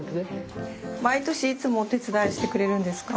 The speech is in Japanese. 毎年いつもお手伝いしてくれるんですか？